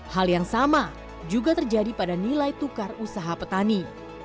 hal yang sama juga terjadi pada nilai tukar usaha petani